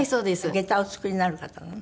下駄をお作りになる方なの？